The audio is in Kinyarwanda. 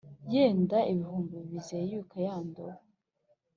Yenda ibihu bizeyuka ya ndobo